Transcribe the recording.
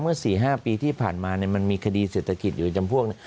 เมื่อสี่ห้าปีที่ผ่านมาเนี่ยมันมีคดีเศรษฐกิจอยู่จำพวกนี้